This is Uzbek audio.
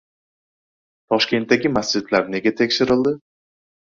Toshkentdagi masjidlar nega tekshirildi?